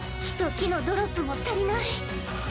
火と木のドロップも足りない。